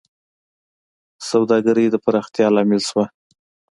سوداګرۍ د پراختیا لامل شوه.